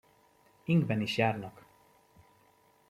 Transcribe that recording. Ingben is járnak!